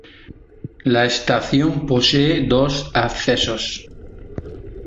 La estación posee dos accesos.